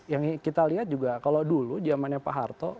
yang kita lihat juga kalau dulu zamannya pak harto